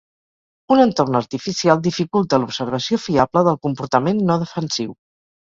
Un entorn artificial dificulta l'observació fiable del comportament no defensiu.